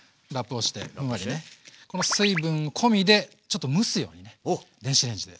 この水分込みでちょっと蒸すようにね電子レンジで。